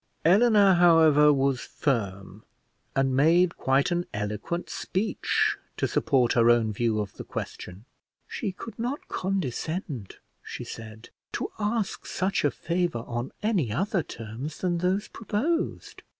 Eleanor, however, was firm, and made quite an eloquent speech to support her own view of the question: she could not condescend, she said, to ask such a favour on any other terms than those proposed.